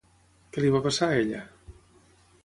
Què li va passar a ella?